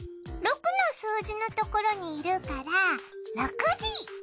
６の数字のところにいるから６時！